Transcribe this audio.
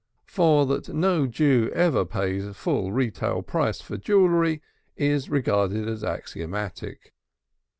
For that no Jew ever pays full retail price for jewelry is regarded as axiomatic.